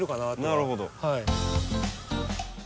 なるほど。